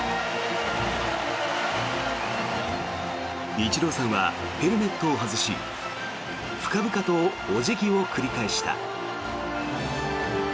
イチローさんはヘルメットを外し深々とお辞儀を繰り返した。